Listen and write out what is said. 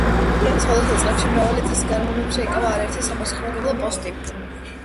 სხვადასხვა წლებში, მრავალი წლის განმავლობაში, ეკავა არაერთი საპასუხისმგებლო პოსტი.